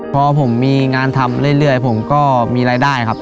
พอผมมีงานทำเรื่อยผมก็มีรายได้ครับ